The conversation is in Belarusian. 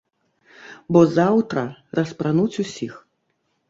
Бо заўтра распрануць усіх!